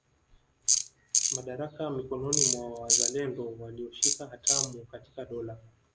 Madaraka mikononi mwa wazalendo walioshika hatamu katika dola